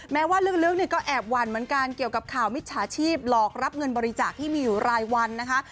แม้ว่าลึกเนี่ยก็แอบหวั่นเหมือนกันเกี่ยวกับข่าวมิจฉาชีพหลอกรับเงินบริจาคที่มีอยู่รายวันนะคะ